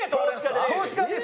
投資家です。